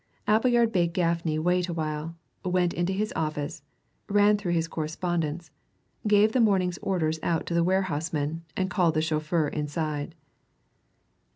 Appleyard bade Gaffney wait a while, went into his office, ran through his correspondence, gave the morning's orders out to the warehouseman, and called the chauffeur inside.